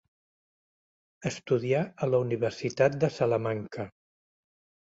Estudià a la Universitat de Salamanca.